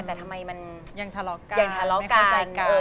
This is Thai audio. แต่ทำไมมันยังทะเลาะกัน